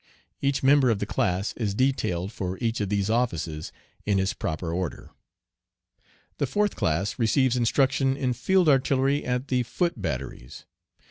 Each member of the class is detailed for each of these offices in his proper order. The fourth class receives instruction in field artillery at the "foot batteries."